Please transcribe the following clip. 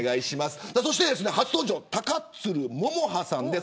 そして初登場高鶴桃羽さんです。